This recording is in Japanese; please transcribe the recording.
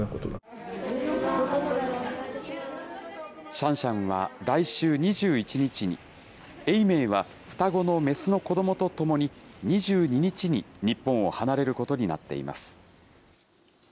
シャンシャンは、来週２１日に、永明は双子の雌の子どもと共に２２日に日本を離れることになっています。